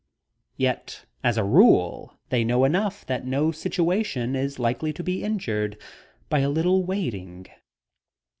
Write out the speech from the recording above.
Yet, as a rule, they know enough that no situation is likely to be injured by a little waiting.